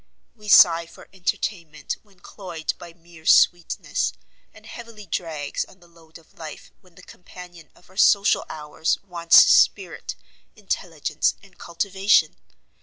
We sigh for entertainment, when cloyed by mere sweetness; and heavily drags on the load of life when the companion of our social hours wants spirit, intelligence, and cultivation.